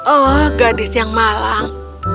oh gadis yang malang